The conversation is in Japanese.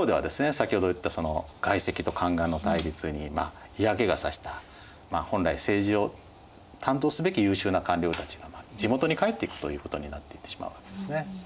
先ほど言った外戚と宦官の対立に嫌気が差した本来政治を担当すべき優秀な官僚たちが地元に帰っていくということになっていってしまうわけですね。